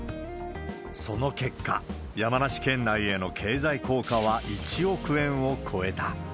その結果、山梨県内への経済効果は１億円を超えた。